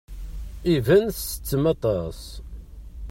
Iban ttettem aṭas.